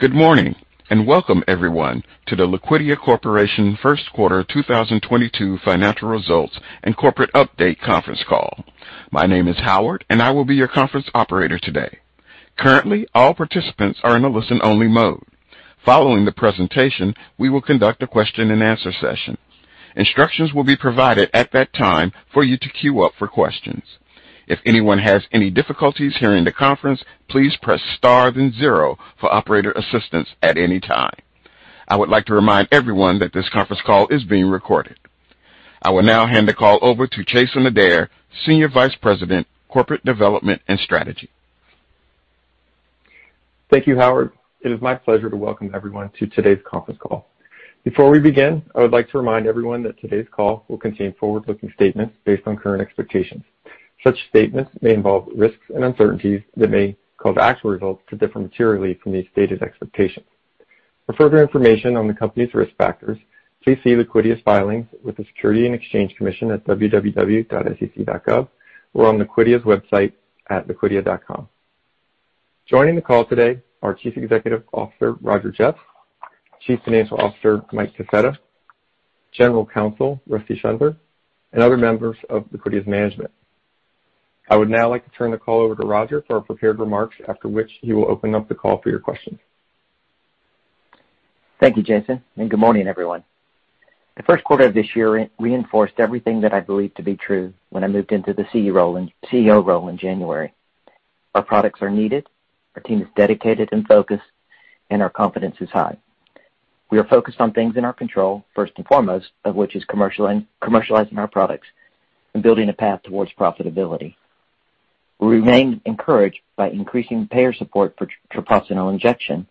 Good morning, and welcome everyone to the Liquidia Corporation first quarter 2022 financial results and corporate update conference call. My name is Howard and I will be your conference operator today. Currently, all participants are in a listen-only mode. Following the presentation, we will conduct a question-and-answer session. Instructions will be provided at that time for you to queue up for questions. If anyone has any difficulties hearing the conference, please press star then zero for operator assistance at any time. I would like to remind everyone that this conference call is being recorded. I will now hand the call over to Jason Adair, Senior Vice President, Corporate Development and Strategy. Thank you, Howard. It is my pleasure to welcome everyone to today's conference call. Before we begin, I would like to remind everyone that today's call will contain forward-looking statements based on current expectations. Such statements may involve risks and uncertainties that may cause actual results to differ materially from these stated expectations. For further information on the company's risk factors, please see Liquidia's filings with the Securities and Exchange Commission at www.sec.gov or on Liquidia's website at liquidia.com. Joining the call today are Chief Executive Officer Roger Jeffs, Chief Financial Officer Mike Kaseta, General Counsel Rusty Schundler, and other members of Liquidia's management. I would now like to turn the call over to Roger for prepared remarks, after which he will open up the call for your questions. Thank you, Jason, and good morning, everyone. The first quarter of this year reinforced everything that I believed to be true when I moved into the CEO role in January. Our products are needed, our team is dedicated and focused, and our confidence is high. We are focused on things in our control, first and foremost of which is commercializing our products and building a path towards profitability. We remain encouraged by increasing payer support for treprostinil injection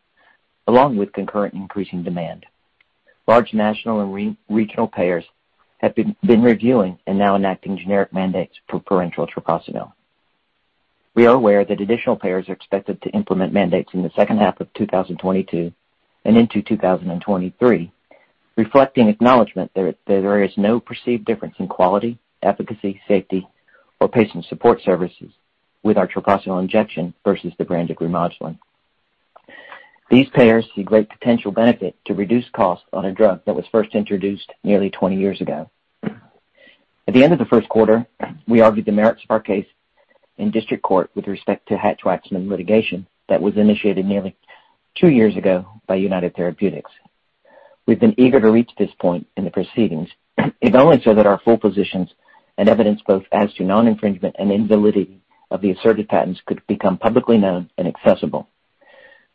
along with concurrent increasing demand. Large national and regional payers have been reviewing and now enacting generic mandates for parenteral treprostinil. We are aware that additional payers are expected to implement mandates in the second half of 2022 and into 2023, reflecting acknowledgement that there is no perceived difference in quality, efficacy, safety, or patient support services with our treprostinil injection versus the brand of Remodulin. These payers see great potential benefit to reduce costs on a drug that was first introduced nearly 20 years ago. At the end of the first quarter, we argued the merits of our case in district court with respect to Hatch-Waxman litigation that was initiated nearly 2 years ago by United Therapeutics. We've been eager to reach this point in the proceedings if only so that our full positions and evidence, both as to non-infringement and invalidity of the asserted patents, could become publicly known and accessible.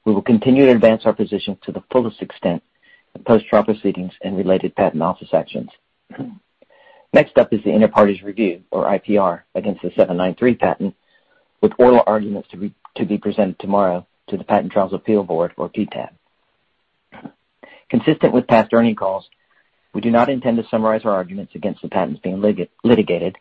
We will continue to advance our position to the fullest extent in post-trial proceedings and related patent office actions. Next up is the inter partes review, or IPR, against the '793 patent, with oral arguments to be presented tomorrow to the Patent Trial and Appeal Board, or PTAB. Consistent with past earnings calls, we do not intend to summarize our arguments against the patents being litigated.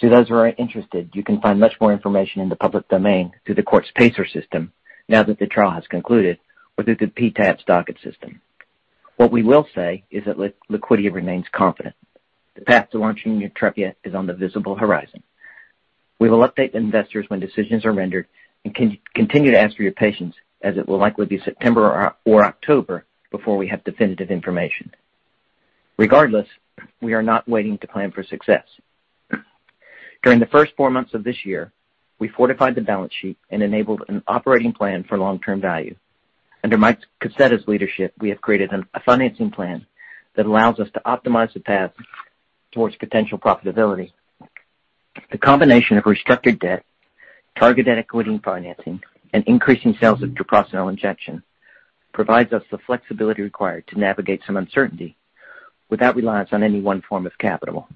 To those who are interested, you can find much more information in the public domain through the court's PACER system now that the trial has concluded or through the PTAB's docket system. What we will say is that Liquidia remains confident. The path to launching YUTREPIA is on the visible horizon. We will update investors when decisions are rendered and continue to ask for your patience, as it will likely be September or October before we have definitive information. Regardless, we are not waiting to plan for success. During the first four months of this year, we fortified the balance sheet and enabled an operating plan for long-term value. Under Mike Kaseta's leadership, we have created a financing plan that allows us to optimize the path towards potential profitability. The combination of restructured debt, targeted equity and financing, and increasing sales of treprostinil injection provides us the flexibility required to navigate some uncertainty without reliance on any one form of capital.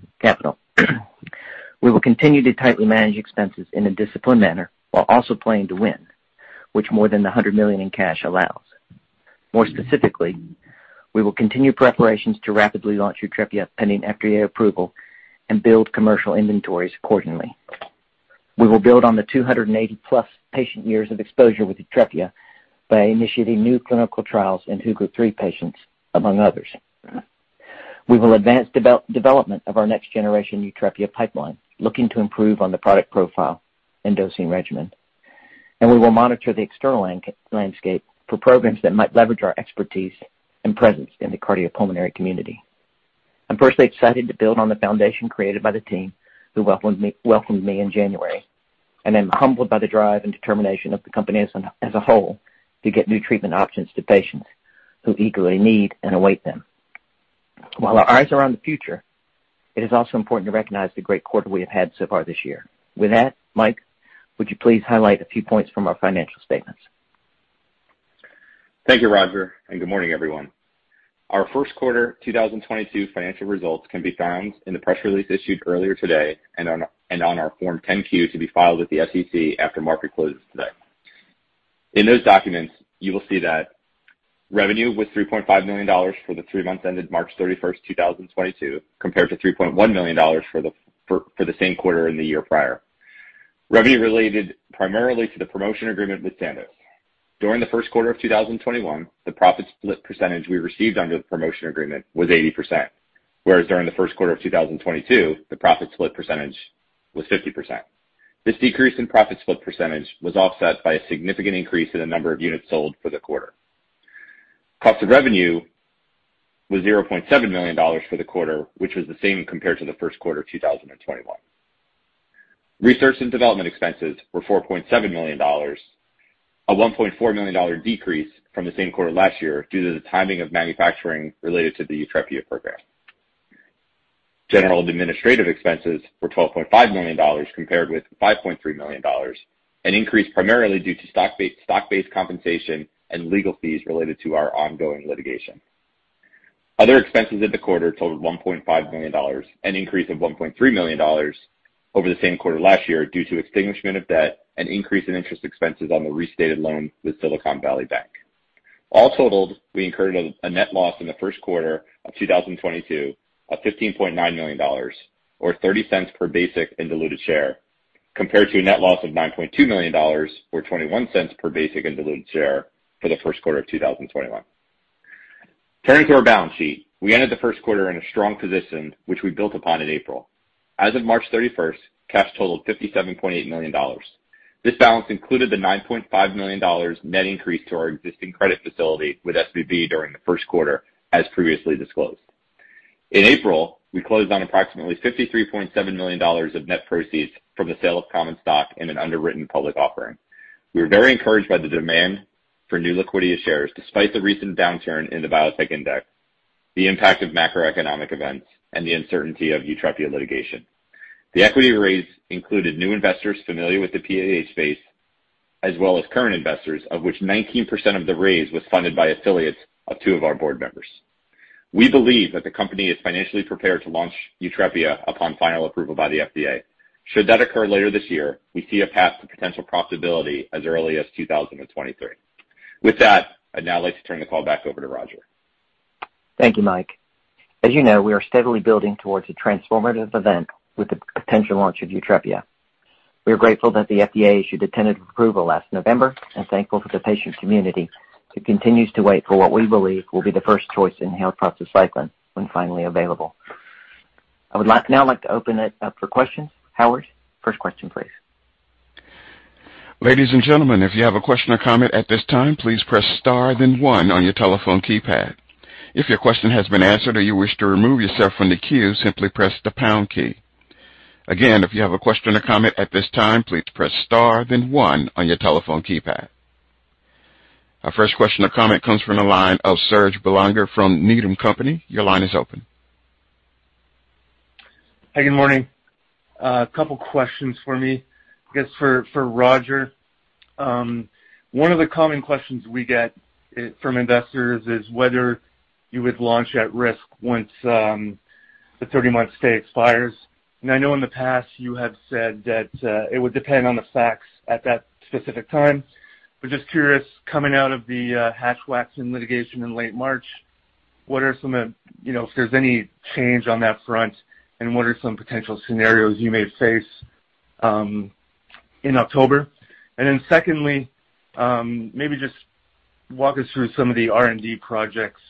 We will continue to tightly manage expenses in a disciplined manner while also playing to win, which more than the $100 million in cash allows. More specifically, we will continue preparations to rapidly launch YUTREPIA pending FDA approval and build commercial inventories accordingly. We will build on the 280+ patient years of exposure with YUTREPIA by initiating new clinical trials in WHO Group 3 patients, among others. We will advance development of our next generation YUTREPIA pipeline, looking to improve on the product profile and dosing regimen. We will monitor the external landscape for programs that might leverage our expertise and presence in the cardiopulmonary community. I'm personally excited to build on the foundation created by the team who welcomed me in January, and am humbled by the drive and determination of the company as a whole to get new treatment options to patients who eagerly need and await them. While our eyes are on the future, it is also important to recognize the great quarter we have had so far this year. With that, Mike, would you please highlight a few points from our financial statements? Thank you, Roger, and good morning, everyone. Our first quarter 2022 financial results can be found in the press release issued earlier today and on our Form 10-Q to be filed with the SEC after market closes today. In those documents, you will see that revenue was $3.5 million for the three months ended March 31, 2022, compared to $3.1 million for the same quarter in the year prior. Revenue related primarily to the promotion agreement with Sandoz. During the first quarter of 2021, the profit split percentage we received under the promotion agreement was 80%, whereas during the first quarter of 2022, the profit split percentage was 50%. This decrease in profit split percentage was offset by a significant increase in the number of units sold for the quarter. Cost of revenue was $0.7 million for the quarter, which was the same compared to the first quarter of 2021. Research and development expenses were $4.7 million, a $1.4 million decrease from the same quarter last year due to the timing of manufacturing related to the YUTREPIA program. General and administrative expenses were $12.5 million compared with $5.3 million, an increase primarily due to stock-based compensation and legal fees related to our ongoing litigation. Other expenses in the quarter totaled $1.5 million, an increase of $1.3 million over the same quarter last year due to extinguishment of debt and increase in interest expenses on the restated loan with Silicon Valley Bank. All totaled, we incurred a net loss in the first quarter of 2022 of $15.9 million or $0.30 per basic and diluted share, compared to a net loss of $9.2 million or $0.21 per basic and diluted share for the first quarter of 2021. Turning to our balance sheet, we ended the first quarter in a strong position, which we built upon in April. As of March 31, cash totaled $57.8 million. This balance included the $9.5 million net increase to our existing credit facility with SVB during the first quarter, as previously disclosed. In April, we closed on approximately $53.7 million of net proceeds from the sale of common stock in an underwritten public offering. We are very encouraged by the demand for new liquidity of shares despite the recent downturn in the biotech index, the impact of macroeconomic events, and the uncertainty of YUTREPIA litigation. The equity raise included new investors familiar with the PAH space, as well as current investors, of which 19% of the raise was funded by affiliates of two of our board members. We believe that the company is financially prepared to launch YUTREPIA upon final approval by the FDA. Should that occur later this year, we see a path to potential profitability as early as 2023. With that, I'd now like to turn the call back over to Roger. Thank you, Mike. As you know, we are steadily building toward a transformative event with the potential launch of YUTREPIA. We are grateful that the FDA issued a tentative approval last November and thankful for the patient community who continues to wait for what we believe will be the first choice inhaled prostacyclin when finally available. I would like to open it up for questions. Howard, first question, please. Ladies and gentlemen, if you have a question or comment at this time, please press star then one on your telephone keypad. If your question has been answered or you wish to remove yourself from the queue, simply press the pound key. Again, if you have a question or comment at this time, please press star then one on your telephone keypad. Our first question or comment comes from the line of Serge Belanger from Needham & Company. Your line is open. Hey, good morning. A couple questions for me, I guess, for Roger. One of the common questions we get from investors is whether you would launch at risk once the 30-month stay expires. I know in the past you have said that it would depend on the facts at that specific time. Just curious, coming out of the Hatch-Waxman litigation in late March, what are some of, you know, if there's any change on that front, and what are some potential scenarios you may face in October? Then secondly, maybe just walk us through some of the R&D projects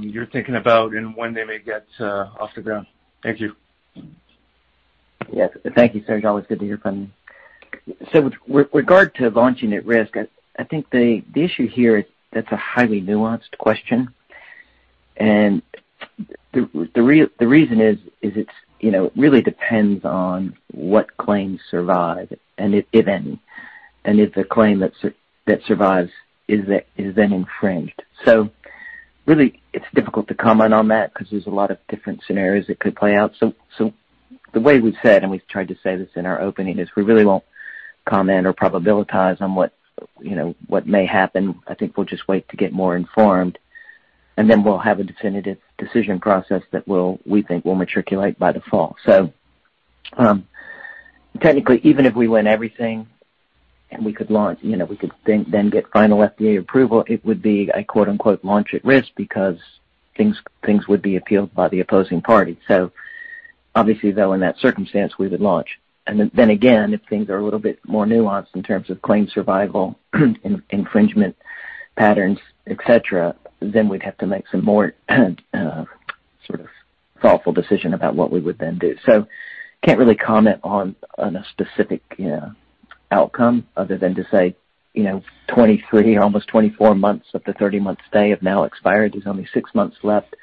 you're thinking about and when they may get off the ground. Thank you. Yes. Thank you, Serge. Always good to hear from you. With regard to launching at risk, I think the issue here, that's a highly nuanced question. The reason is it's, you know, really depends on what claims survive and if any. If the claim that survives is then infringed. Really, it's difficult to comment on that because there's a lot of different scenarios that could play out. The way we've said, and we've tried to say this in our opening, is we really won't comment or probabilitize on what, you know, what may happen. I think we'll just wait to get more informed, and then we'll have a definitive decision process that will, we think, will matriculate by the fall. Technically, even if we win everything and we could launch, you know, we could then get final FDA approval, it would be a quote-unquote "launch at risk" because things would be appealed by the opposing party. Obviously, though, in that circumstance, we would launch. Then again, if things are a little bit more nuanced in terms of claim survival, infringement patterns, et cetera, then we'd have to make some more sort of thoughtful decision about what we would then do. Can't really comment on a specific outcome other than to say, you know, 23, almost 24 months of the 30-month stay have now expired. There's only 6 months left.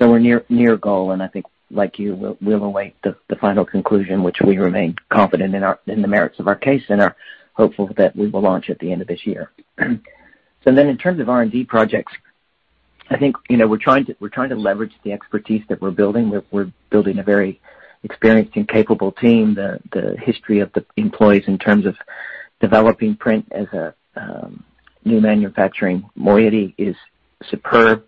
We're near goal, and I think, like you, we'll await the final conclusion, which we remain confident in the merits of our case and are hopeful that we will launch at the end of this year. In terms of R&D projects, I think we're trying to leverage the expertise that we're building. We're building a very experienced and capable team. The history of the employees in terms of developing PRINT as a new manufacturing modality is superb.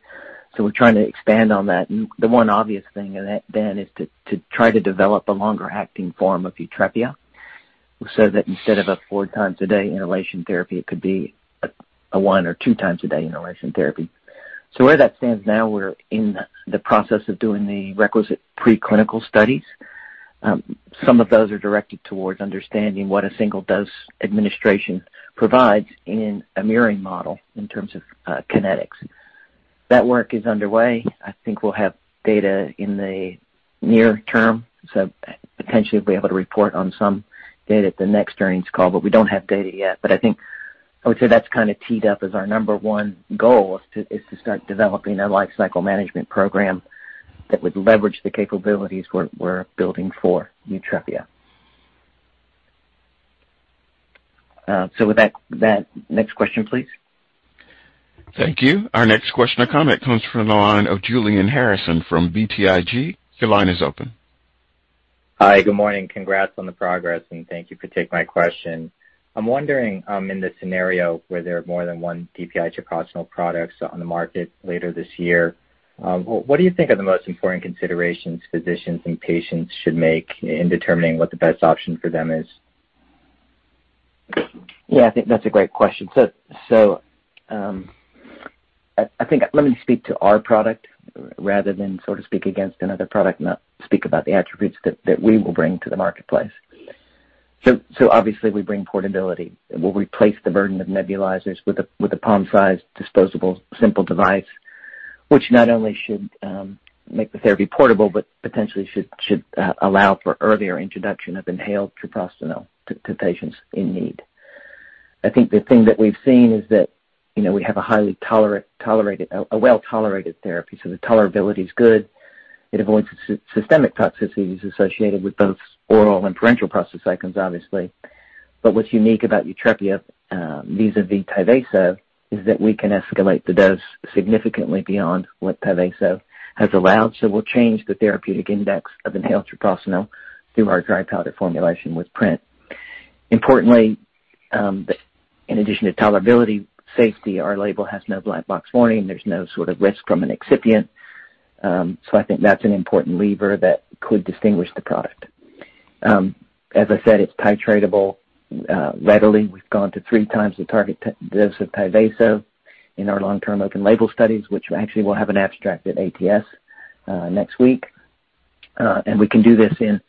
We're trying to expand on that. The one obvious thing then is to try to develop a longer acting form of YUTREPIA, so that instead of a four times a day inhalation therapy, it could be a one or two times a day inhalation therapy. Where that stands now, we're in the process of doing the requisite preclinical studies. Some of those are directed towards understanding what a single dose administration provides in a murine model in terms of kinetics. That work is underway. I think we'll have data in the near term, so potentially be able to report on some data at the next earnings call. We don't have data yet. I think I would say that's kinda teed up as our number one goal is to start developing a lifecycle management program that would leverage the capabilities we're building for YUTREPIA. With that, next question, please. Thank you. Our next question or comment comes from the line of Julian Harrison from BTIG. Your line is open. Hi. Good morning. Congrats on the progress, and thank you for taking my question. I'm wondering, in the scenario where there are more than one DPI treprostinil products on the market later this year, what do you think are the most important considerations physicians and patients should make in determining what the best option for them is? Yeah, I think that's a great question. I think let me speak to our product rather than sort of speak against another product and not speak about the attributes that we will bring to the marketplace. Obviously we bring portability. We'll replace the burden of nebulizers with a palm-sized disposable simple device, which not only should make the therapy portable, but potentially should allow for earlier introduction of inhaled treprostinil to patients in need. I think the thing that we've seen is that, you know, we have a highly tolerated, a well-tolerated therapy, so the tolerability is good. It avoids systemic toxicities associated with both oral and parenteral prostacyclin, obviously. What's unique about YUTREPIA vis-a-vis Tyvaso is that we can escalate the dose significantly beyond what Tyvaso has allowed. We'll change the therapeutic index of inhaled treprostinil through our dry powder formulation with PRINT. Importantly, in addition to tolerability safety, our label has no black box warning. There's no sort of risk from an excipient. I think that's an important lever that could distinguish the product. As I said, it's titratable readily. We've gone to three times the target dose of Tyvaso in our long-term open label studies, which actually will have an abstract at ATS next week. We can do this in,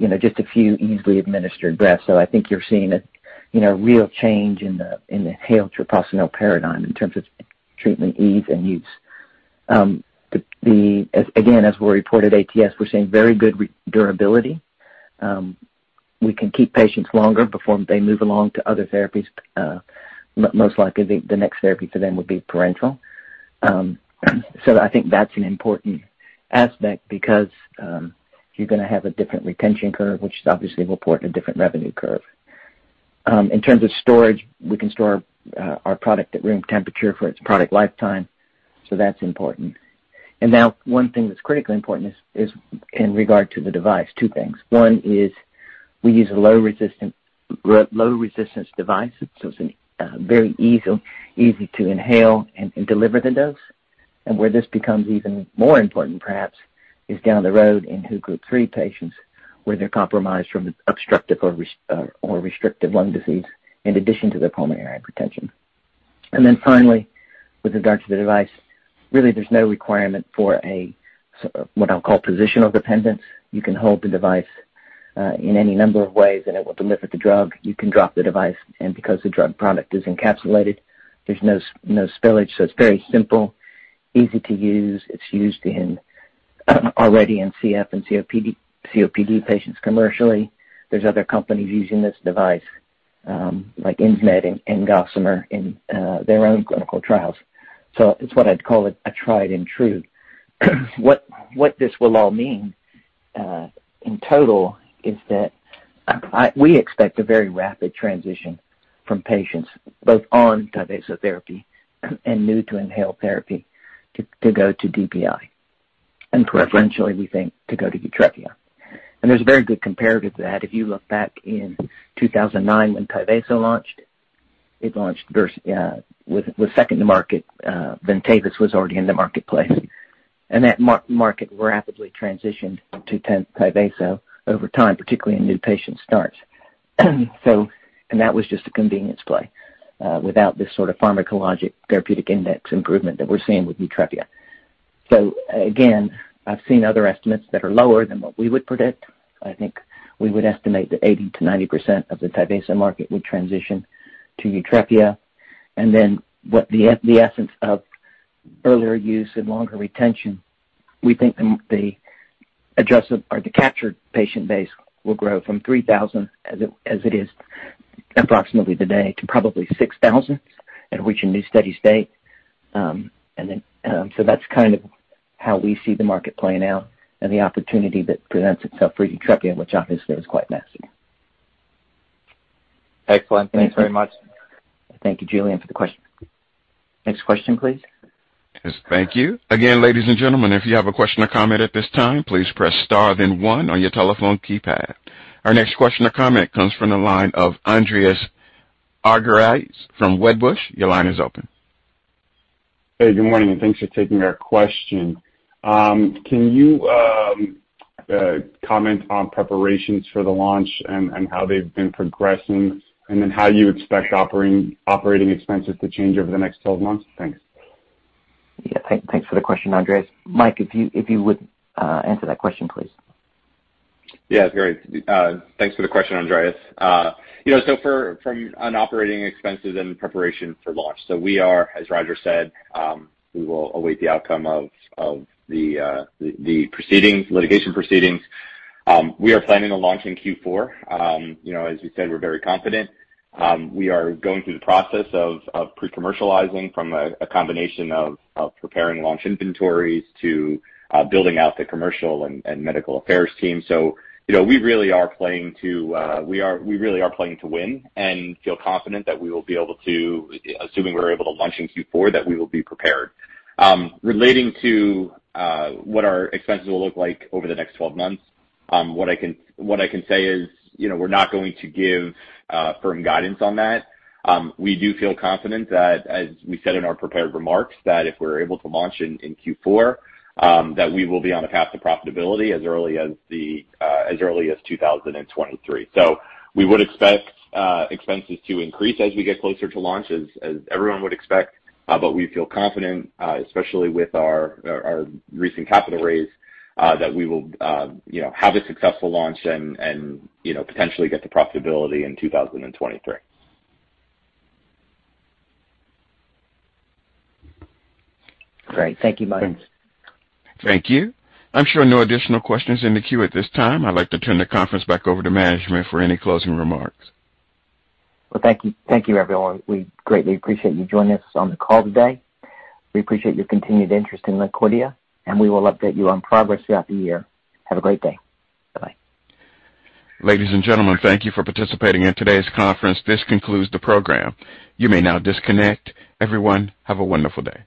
you know, just a few easily administered breaths. I think you're seeing a, you know, real change in the inhaled treprostinil paradigm in terms of treatment ease and use. As again, as we reported ATS, we're seeing very good durability. We can keep patients longer before they move along to other therapies. Most likely the next therapy for them would be parenteral. I think that's an important aspect because you're gonna have a different retention curve, which obviously will portend a different revenue curve. In terms of storage, we can store our product at room temperature for its product lifetime, so that's important. Now one thing that's critically important is in regard to the device, two things. One is we use a low resistance device, so it's very easy to inhale and deliver the dose. Where this becomes even more important, perhaps, is down the road in WHO Group 3 patients where they're compromised from obstructive or restrictive lung disease in addition to their pulmonary hypertension. Finally, with the guidance of the device, really there's no requirement for a, sort of what I'll call positional dependence. You can hold the device in any number of ways, and it will deliver the drug. You can drop the device and because the drug product is encapsulated, there's no spillage. It's very simple, easy to use. It's used already in CF and COPD patients commercially. There's other companies using this device, like Insmed and Gossamer Bio in their own clinical trials. It's what I'd call a tried and true. What this will all mean in total is that we expect a very rapid transition from patients both on Tyvaso therapy and new to inhaled therapy to go to DPI and preferentially we think to go to YUTREPIA. There's a very good comparative to that. If you look back in 2009 when Tyvaso launched, it launched was second to market, Ventavis was already in the marketplace. That market rapidly transitioned to Tyvaso over time, particularly in new patient starts. That was just a convenience play, without this sort of pharmacologic therapeutic index improvement that we're seeing with YUTREPIA. Again, I've seen other estimates that are lower than what we would predict. I think we would estimate that 80%-90% of the Tyvaso market would transition to YUTREPIA. Then what the essence of earlier use and longer retention, we think the addressed or the captured patient base will grow from 3,000 as it is approximately today, to probably 6,000 at reaching new steady state. That's kind of how we see the market playing out and the opportunity that presents itself for YUTREPIA, which obviously is quite massive. Excellent. Thank you very much. Thank you, Julian, for the question. Next question, please. Yes, thank you. Again, ladies and gentlemen, if you have a question or comment at this time, please press star then one on your telephone keypad. Our next question or comment comes from the line of Andreas Argyrides from Wedbush. Your line is open. Hey, good morning, and thanks for taking our question. Can you comment on preparations for the launch and how they've been progressing and then how you expect operating expenses to change over the next 12 months? Thanks. Yeah. Thanks for the question, Andreas. Mike, if you would, answer that question, please. Yeah, Gary. Thanks for the question, Andreas. You know, from an operating expenses and preparation for launch. We are, as Roger said, we will await the outcome of the litigation proceedings. We are planning to launch in Q4. You know, as we said, we're very confident. We are going through the process of pre-commercializing from a combination of preparing launch inventories to building out the commercial and medical affairs team. You know, we really are playing to win and feel confident that we will be able to, assuming we're able to launch in Q4, that we will be prepared. Relating to what our expenses will look like over the next 12 months, what I can say is, you know, we're not going to give firm guidance on that. We do feel confident that as we said in our prepared remarks, that if we're able to launch in Q4, that we will be on the path to profitability as early as 2023. We would expect expenses to increase as we get closer to launch as everyone would expect. We feel confident, especially with our recent capital raise, that we will, you know, have a successful launch and, you know, potentially get to profitability in 2023. Great. Thank you, Mike. Thank you. I'm showing no additional questions in the queue at this time. I'd like to turn the conference back over to management for any closing remarks. Well, thank you. Thank you, everyone. We greatly appreciate you joining us on the call today. We appreciate your continued interest in Liquidia, and we will update you on progress throughout the year. Have a great day. Bye-bye. Ladies and gentlemen, thank you for participating in today's conference. This concludes the program. You may now disconnect. Everyone, have a wonderful day.